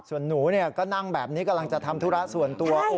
ส่วนหนูก็นั่งแบบนี้กำลังจะทำธุระส่วนตัว